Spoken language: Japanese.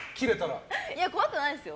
怖くないですよ。